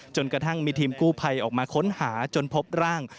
จนกระทั่งมีทีมกู้ภัยออกมาค้นหาจนพบร่าง